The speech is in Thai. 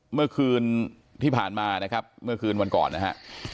เมื่อคืนที่ผ่านมานะครับเมื่อคืนวันก่อนนะฮะ